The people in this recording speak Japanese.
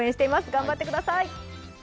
頑張ってください！